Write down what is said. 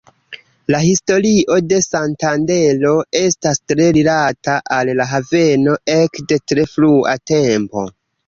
La historio de Santandero estas tre rilata al la haveno ekde tre frua tempo.